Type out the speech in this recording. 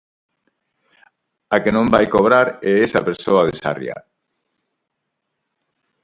A que non vai cobrar é esa persoa de Sarria.